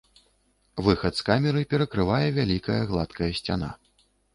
Выхад з камеры перакрывае вялікая гладкая сцяна.